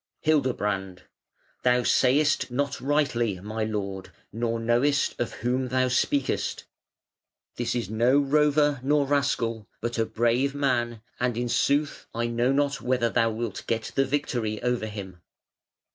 Hildebrand: "Thou sayest not rightly, my lord, nor knowest of whom thou speakest. This is no rover nor rascal, but a brave man; and in sooth I know not whether thou wilt get the victory over him".